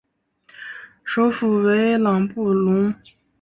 首府为朗布隆。